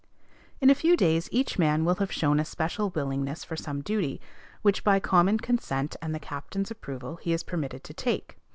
In a few days each man will have shown a special willingness for some duty, which by common consent and the captain's approval he is permitted to take.